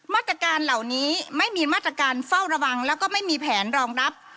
มาตรการเหล่านี้ไม่มีมาตรการเฝ้าระวังแล้วก็ไม่มีแผนรองรับ